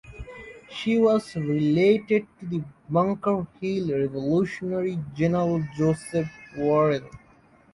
She was related to the Bunker Hill revolutionary General Joseph Warren.